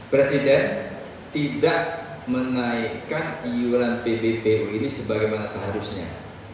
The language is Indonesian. presiden tidak menaikkan iuran pbpu ini sebagaimana seharusnya